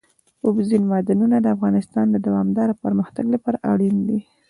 اوبزین معدنونه د افغانستان د دوامداره پرمختګ لپاره اړین دي.